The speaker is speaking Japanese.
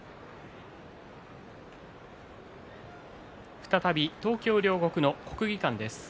再び東京・両国の国技館です。